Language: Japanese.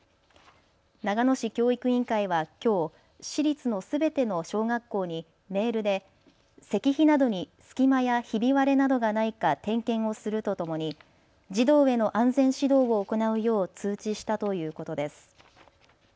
長野市教育委員会はきょう、市立のすべての小学校にメールで石碑などに隙間やひび割れなどがないか点検をするとともに児童への安全指導を行うよう通知したということです。